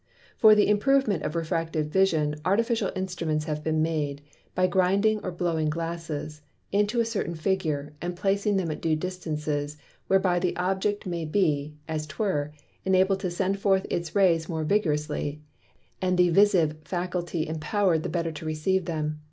For the Improvement of Refracted Vision artificial Instruments have been made, by grinding or blowing Glasses, into a certain Figure, and placing them at due distances, whereby the Object may be (as 'twere) enabled to send forth its Rays more vigorously, and the Visive Faculty impower'd the better to receive them.